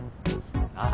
ああ。